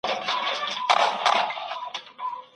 د نوي کار لپاره نوښت وکړئ.